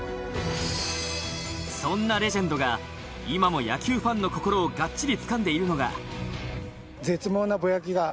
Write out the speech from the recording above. そんなレジェンドが今も野球ファンの心をガッチリつかんでいるのが。